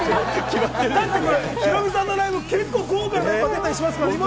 ヒロミさんのライブ、結構豪華なメンバー出たりしますからね。